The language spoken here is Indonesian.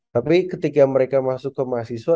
tapi ketika mereka masuk ke mahasiswa